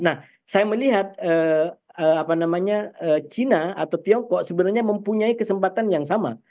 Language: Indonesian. nah saya melihat china atau tiongkok sebenarnya mempunyai kesempatan yang sama